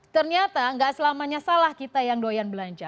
ternyata nggak selamanya salah kita yang doyan belanja